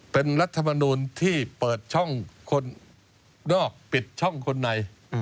เป็นรัฐมนูลที่เปิดช่องคนนอกปิดช่องคนใน